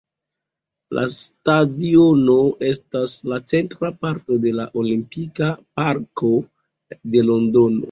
La stadiono estas la centra parto de la Olimpika Parko de Londono.